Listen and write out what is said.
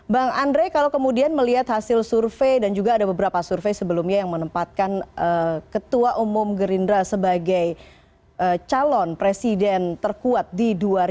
bang andre kalau kemudian melihat hasil survei dan juga ada beberapa survei sebelumnya yang menempatkan ketua umum gerindra sebagai calon presiden terkuat di dua ribu dua puluh